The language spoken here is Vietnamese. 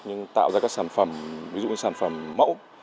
nhưng tạo ra các sản phẩm ví dụ sản phẩm mẫu